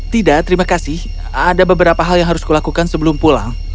tidak terima kasih ada beberapa hal yang harus kulakukan sebelum pulang